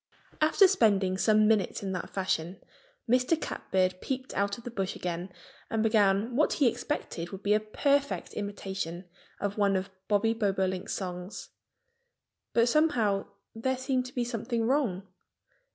After spending some minutes in that fashion Mr. Catbird peeped out of his bush again and began what he expected would be a perfect imitation of one of Bobby Bobolink's songs. But somehow there seemed to be something wrong.